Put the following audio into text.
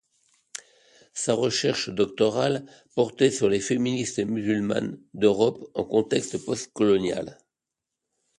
Sa recherche doctorale portait sur les féministes musulmanes d’Europe en contexte postcolonial.